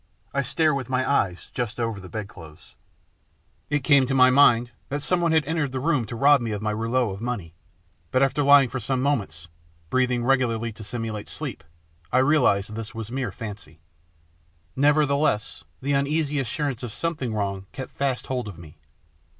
I stared with my eyes just over the bedclothes. It came into my mind that someone had entered the room to rob me of my rouleau of money, but after lying for some moments, breathing regularly to simulate sleep, I realised this was mere fancy. Nevertheless, the uneasy assurance of something wrong kept fast hold of me.